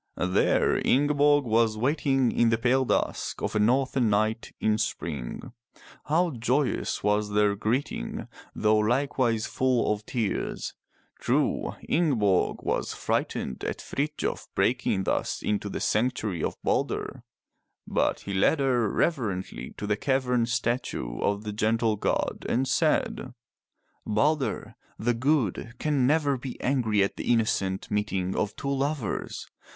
There Ingeborg was waiting in the pale dusk of a northern night in spring. How joyous was their greeting, though likewise full of tears. True, Ingeborg was frightened at Frithjof's breaking thus into the sanctuary of 345 MY BOOK HOUSE Balder, but he led her reverently to the carven statue of the gentle god and said: "Balder, the good, can never be angry at the innocent meeting of two lovers.